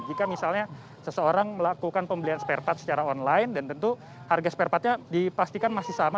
jika misalnya seseorang melakukan pembelian spare part secara online dan tentu harga spare partnya dipastikan masih sama